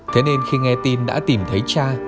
thế nên khi nghe tin đã tìm thấy cha